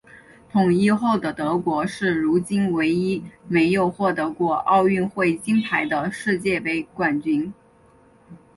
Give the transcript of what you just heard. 统一后的德国是如今唯一没有获得过奥运会金牌的世界杯冠军。